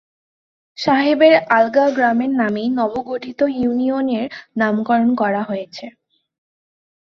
সাহেবের আলগা গ্রামের নামেই নব গঠিত ইউনিয়ন এর নামকরণ করা হয়েছে।